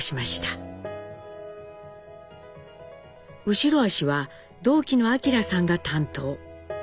後ろ足は同期の明樂さんが担当。